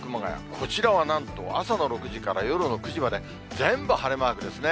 こちらはなんと、朝の６時から夜の９時まで、全部晴れマークですね。